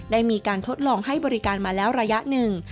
ได้มีการทดลองให้บริการมาแล้วระยะหนึ่ง